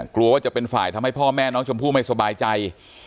กลัวว่าจะเป็นฝ่ายทำให้พ่อแม่น้องชมพู่ไม่สบายใจ